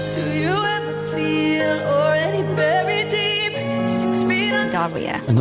จอร์ดเวีย